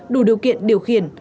đủ điều kiện điều khiển